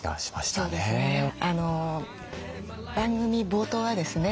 番組冒頭はですね